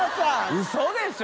ウソでしょ？